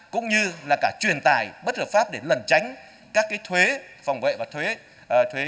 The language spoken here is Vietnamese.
cũng như là cả truyền tài bất hợp pháp để lần tránh các thuế phòng vệ và thuế tự vệ